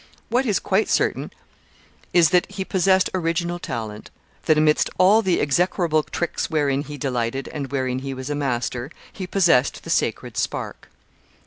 What is quite certain is, that he possessed original talent; that amidst all the execrable tricks wherein he delighted and wherein he was a master, he possessed the sacred spark.